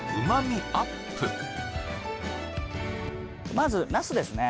まずナスですね